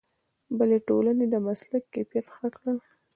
بلې ټولنې د مسلک کیفیت ښه کړ.